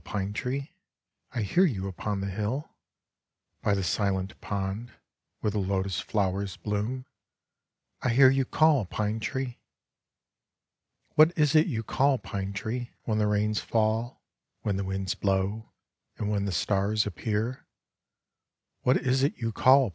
Pine tree, I hear you upon the hill ; by the silent pond where the lotos flowers bloom, I hear you call, Pine tree ! What is it you call. Pine tree, when the rains fall, when the winds blow, and when the stars appear, what is it you call.